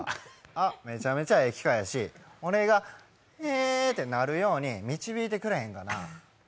あ、めちゃめちゃいい機会やし俺がへってなるように導いてくれへんかな。